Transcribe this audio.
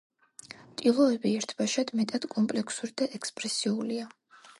ტილოები ერთბაშად, მეტად კომპლექსური და ექსპრესიულია.